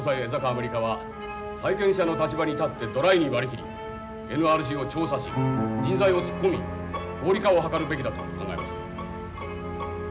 アメリカは債権者の立場に立ってドライに割り切りＮＲＣを調査し人材を突っ込み合理化を図るべきだと考えます。